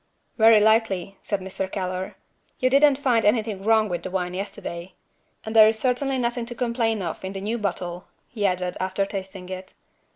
"Very likely," said Mr. Keller. "You didn't find anything wrong with the wine yesterday. And there is certainly nothing to complain of in the new bottle," he added, after tasting it.